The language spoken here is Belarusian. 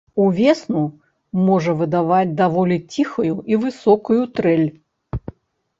Увесну можа выдаваць даволі ціхую і высокую трэль.